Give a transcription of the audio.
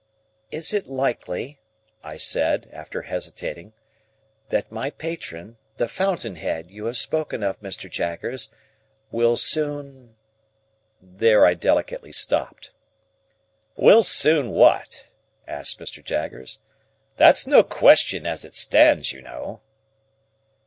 "Is it likely," I said, after hesitating, "that my patron, the fountain head you have spoken of, Mr. Jaggers, will soon—" there I delicately stopped. "Will soon what?" asked Mr. Jaggers. "That's no question as it stands, you know."